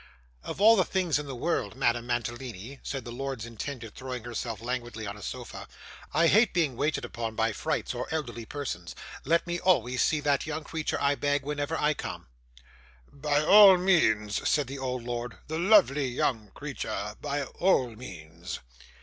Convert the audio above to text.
'Of all things in the world, Madame Mantalini,' said the lord's intended, throwing herself languidly on a sofa, 'I hate being waited upon by frights or elderly persons. Let me always see that young creature, I beg, whenever I come.' 'By all means,' said the old lord; 'the lovely young creature, by all means.